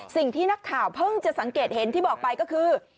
สิ่งที่นักข่าวเพิ่งจะสังเกตเห็นที่บอกไปก็คือ